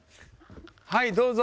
はいどうぞ。